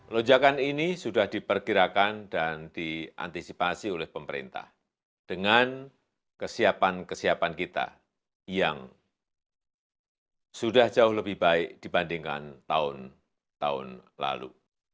lonjakan ini sudah diperkirakan dan diantisipasi oleh pemerintah dengan kesiapan kesiapan kita yang sudah jauh lebih baik dibandingkan tahun tahun lalu